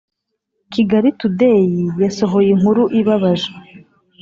Kigali today yasohoye inkuru ibabaje